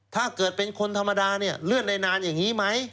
ถ้าเกิดเป็นคนธรรมดาเนี่ยเลื่อนได้นานอย่างนี้ไหม